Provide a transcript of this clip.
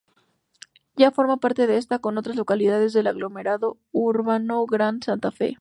Ya forma parte de esta -con otras localidades- del aglomerado urbano Gran Santa Fe.